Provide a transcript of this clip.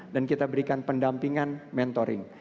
dan kita berikan pendampingan mentoring